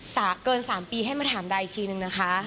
สากเกิน๓ปีให้มาถามได้อีกครีมหนึ่งนะคะ